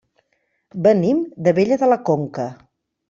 Venim d'Abella de la Conca.